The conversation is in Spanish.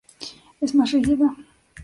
Es más rígida.